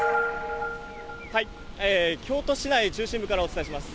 京都市内中心部からお伝えします。